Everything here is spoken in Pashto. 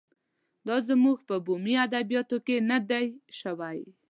دا زموږ په بومي ادبیاتو کې نه دی شوی.